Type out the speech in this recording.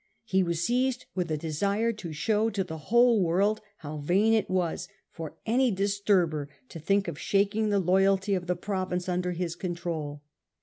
He was seized with a desire to show to the whole world how vain it was for any disturber to think of shaking the loyalty of the pro vince under his control.